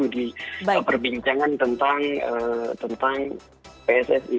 seperti itu di perbincangan tentang pssi